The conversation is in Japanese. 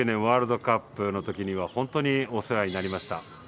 ワールドカップのときには本当にお世話になりました。